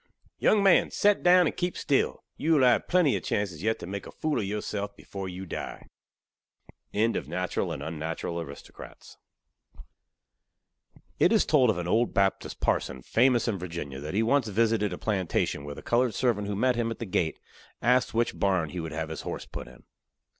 Yung man, set down, and keep still yu will hay plenty ov chances yet to make a phool ov yureself before yu die. It is told of an old Baptist parson, famous in Virginia, that he once visited a plantation where the colored servant who met him at the gate asked which barn he would have his horse put in.